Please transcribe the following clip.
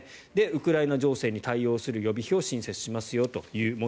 ウクライナ情勢に対応する予備費を新設しますよと。